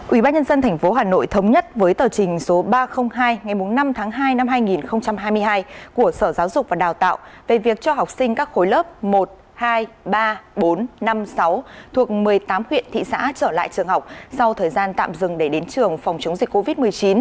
ubnd tp hà nội thống nhất với tờ trình số ba trăm linh hai ngày năm tháng hai năm hai nghìn hai mươi hai của sở giáo dục và đào tạo về việc cho học sinh các khối lớp một hai ba bốn năm sáu thuộc một mươi tám huyện thị xã trở lại trường học sau thời gian tạm dừng để đến trường phòng chống dịch covid một mươi chín